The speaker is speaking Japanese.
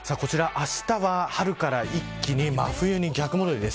あしたは春から一気に真冬に逆戻りです。